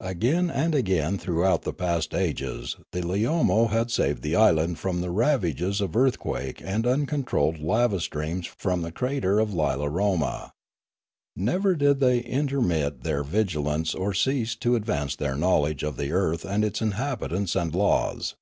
Again and again throughout the past ages the Leomo had saved the island from the ravages of earthquake and uncontrolled lava streams from the crater of L,ilaroma. Never did they intermit their vigilance or cease to ad vance their knowledge of the earth and its habits and laws.